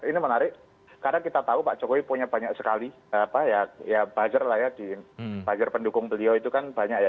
ini menarik karena kita tahu pak jokowi punya banyak sekali ya buzzer lah ya di buzzer pendukung beliau itu kan banyak ya